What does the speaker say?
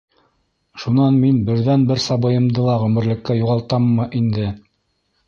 Шунан мин берҙән-бер сабыйымды ла ғүмерлеккә юғалтаммы инде?